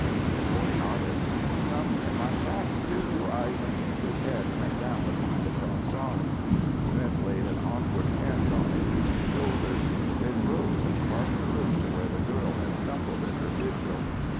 The boy nodded. "Some in my shack too. I " His head went down upon the crossed arms. Smith laid an awkward hand on the heaving shoulders, then rose and crossed the room to where the girl had stumbled in her vigil.